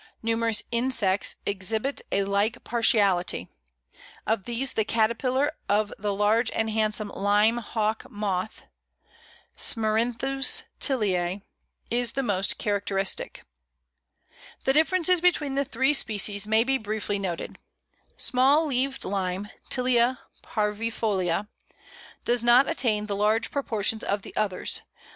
Numerous insects exhibit a like partiality; of these the caterpillar of the large and handsome Lime Hawk moth (Smerinthus tiliæ) is the most characteristic. The differences between the three species may be briefly noted: SMALL LEAVED LIME (Tilia parvifolia). Does not attain the large proportions of the others.